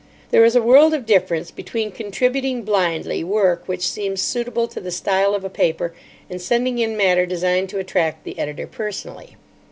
There is a world of difference between contributing blindly work which seems suitable to the style of a paper and sending in matter designed to attract the editor personally.